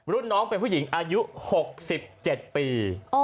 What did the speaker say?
รุ่นน้องเป็นผู้หญิงอายุ๖๗ปี